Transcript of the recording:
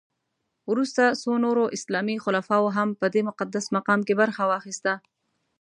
وروسته څو نورو اسلامي خلفاوو هم په دې مقدس مقام کې برخه واخیسته.